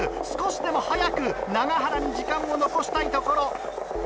少しでも早く永原に時間を残したいところ。